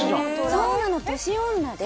そうなの年女で。